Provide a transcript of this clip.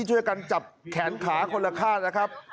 ช่วยกันจับแขนขาคนละข้างนะครับ